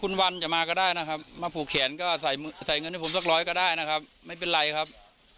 คุณวันจะมาก็ได้นะครับมาผูกแขนข้าวถ่ายไว้